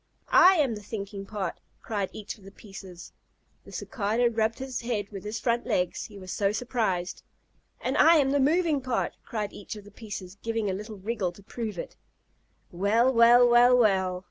"I am the thinking part," cried each of the pieces. The Cicada rubbed his head with his front legs, he was so surprised. "And I am the moving part," cried each of the pieces, giving a little wriggle to prove it. "Well, well, well, well!"